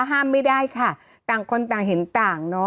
ห้ามไม่ได้ค่ะต่างคนต่างเห็นต่างเนอะ